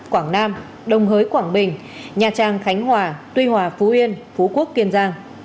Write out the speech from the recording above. quảng nam đồng hới quảng bình nha trang khánh hòa tuy hòa phú yên phú quốc kiên giang